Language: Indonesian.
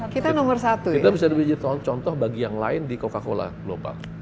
kita bisa menjadi contoh bagi yang lain di coca cola global